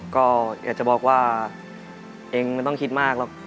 ก็อยากจะบอกว่าเองไม่ต้องคิดมากหรอก